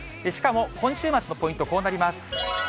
しかも、今週末のポイント、こうなります。